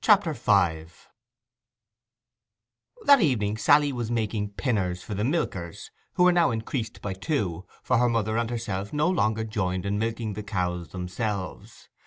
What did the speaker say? CHAPTER V That evening Sally was making 'pinners' for the milkers, who were now increased by two, for her mother and herself no longer joined in milking the cows themselves.